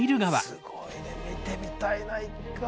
すごいね見てみたいな１回。